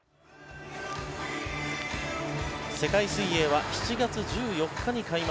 世界水泳は７月１４日に開幕。